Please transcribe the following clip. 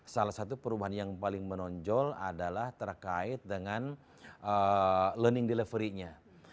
salah satu perubahan yang paling menonjol adalah terkait dengan learning delivery nya